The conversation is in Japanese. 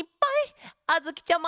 あづきちゃま！